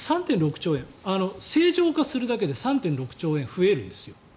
正常化するだけで３．６兆円増えるんですよ。